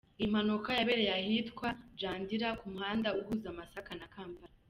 Iyi mpanuka yabereye ahitwa Jandira, ku muhanda uhuza Masaka na Kampala.